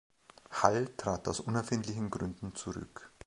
Hull trat aus unerfindlichen Gründen zurück.